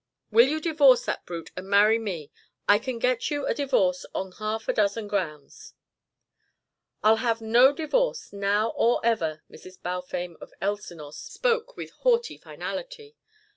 Will you divorce that brute and marry me? I can get you a divorce on half a dozen grounds." "I'll have no divorce, now or ever." Mrs. Balfame of Elsinore spoke with haughty finality.